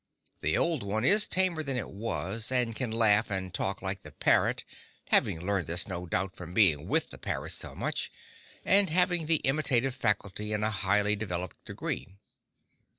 The old one is tamer than it was, and can laugh and talk like the parrot, having learned this, no doubt, from being with the parrot so much, and having the imitative faculty in a highly developed degree.